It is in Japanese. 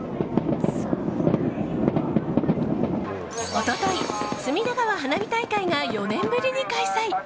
一昨日、隅田川花火大会が４年ぶりに開催。